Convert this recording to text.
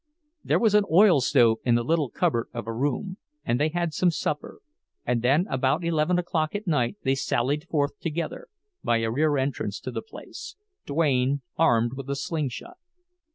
There was an oil stove in the little cupboard of a room, and they had some supper; and then about eleven o'clock at night they sallied forth together, by a rear entrance to the place, Duane armed with a slingshot.